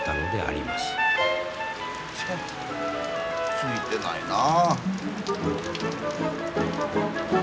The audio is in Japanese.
ついてないなあ。